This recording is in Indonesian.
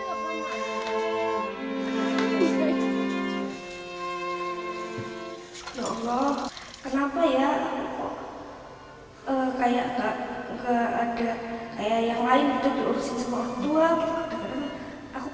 ya allah kenapa ya kayak gak ada kayak yang lain itu diurusin semua aku